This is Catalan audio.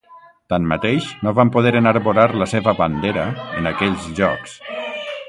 Tanmateix, no van poder enarborar la seva bandera en aquells jocs.